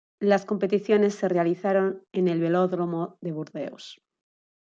Las competiciones se realizaron en el Velódromo de Burdeos.